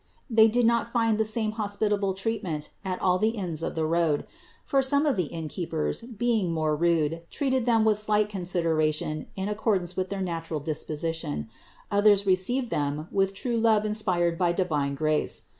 They did not find the same hospitable treatment at all the inns of the road ; for some of the innkeepers, being more rude, treated them with slight consideration in accordance with their natural disposition; others received them with true love inspired by divine grace.